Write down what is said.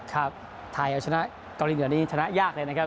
ครับไทยเอาชนะเกาหลีเหนือนี้ชนะยากเลยนะครับ